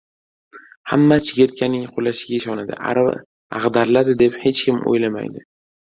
hamma chigirtkaning qulashiga ishonadi, arava ag‘dariladi deb hech kim o‘ylamaydi.